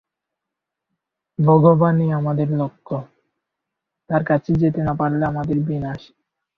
ভগবানই আমাদের লক্ষ্য, তাঁর কাছে যেতে না পারলে আমাদের বিনাশ।